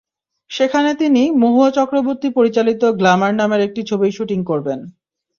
সেখানে তিনি মহুয়া চক্রবর্তী পরিচালিত গ্ল্যামার নামের একটি ছবির শুটিং করবেন।